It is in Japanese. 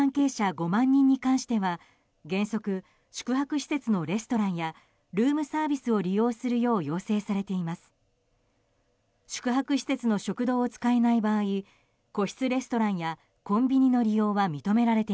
５万人に関しては原則、宿泊施設のレストランやルームサービスを利用するよう要請されています。